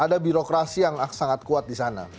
ada birokrasi yang sangat kuat di sana